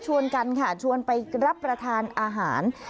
กันค่ะชวนไปรับประทานอาหาร